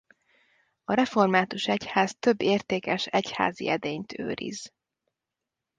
A református egyház több értékes egyházi edényt őriz.